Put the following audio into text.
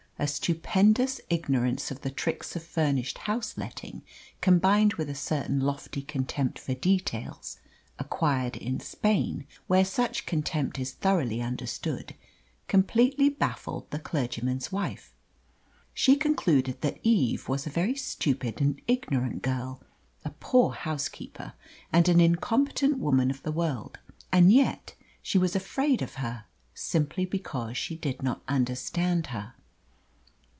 A stupendous ignorance of the tricks of furnished house letting, combined with a certain lofty contempt for details, acquired in Spain, where such contempt is thoroughly understood, completely baffled the clergyman's wife. She concluded that Eve was a very stupid and ignorant girl, a poor housekeeper, and an incompetent woman of the world; and yet she was afraid of her, simply because she did not understand her.